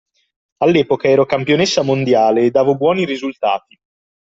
All'epoca ero campionessa mondiale e davo buoni risultati.